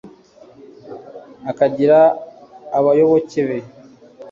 akaragira abayoboke be